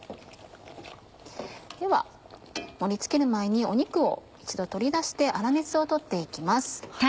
では盛り付ける前に肉を一度取り出して粗熱を取って行きます。